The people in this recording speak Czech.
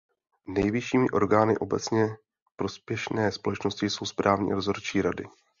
Nejvyššími orgány obecně prospěšné společnosti jsou správní a dozorčí rada.